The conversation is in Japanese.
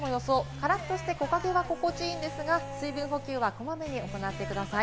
カラッとして木陰は心地良いですが、水分補給はこまめに行ってください。